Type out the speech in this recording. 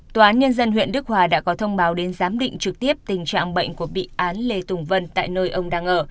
tòa án nhân dân huyện đức hòa đã có thông báo đến giám định trực tiếp tình trạng bệnh của bị án lê tùng vân tại nơi ông đang ở